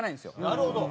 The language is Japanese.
なるほど。